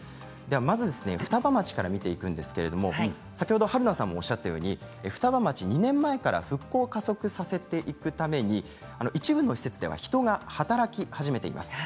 まず双葉町から見ていくんですけれど先ほどはるなさんもおっしゃったように、双葉町２年前から復興を加速させるために一部の施設では人が働き始めてるんです。